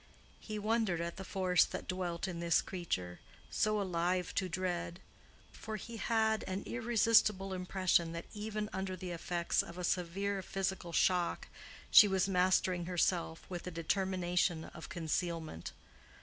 He wondered at the force that dwelt in this creature, so alive to dread; for he had an irresistible impression that even under the effects of a severe physical shock she was mastering herself with a determination of concealment.